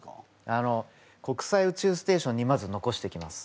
あの国際宇宙ステーションにまず残していきます。